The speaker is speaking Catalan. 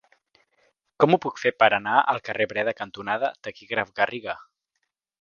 Com ho puc fer per anar al carrer Breda cantonada Taquígraf Garriga?